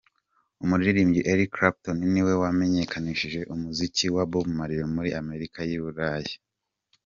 Umuririmbyi Eric Clapton niwe wamenyekanishije umuziki wa Bob Marley muri Amerika n’Uburayi.